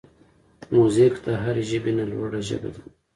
موزیک د هر ژبې نه لوړه ژبه ده.